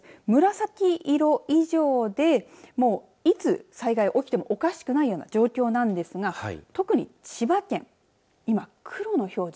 紫色以上でもういつ災害が起きてもおかしくないような状況ですが特に千葉県今、黒の表示。